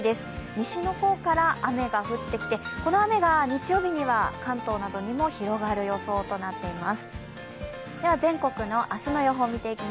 西の方から雨が降ってきて、この雨が日曜日には関東などにも広がる予想となっています。